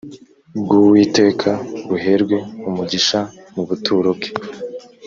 bw uwiteka buherwe umugisha mu buturo bwe